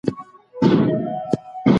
تاسي ولي د جنګونو په اړه خبري نه کوئ؟